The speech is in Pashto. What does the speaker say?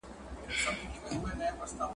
چي اشرف د مخلوقاتو د سبحان دی .